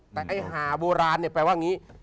แต่ไอ้หาโบราณก็แปลว่างี่